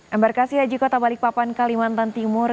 embarkasi haji kota balikpapan kalimantan timur